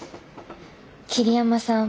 桐山さん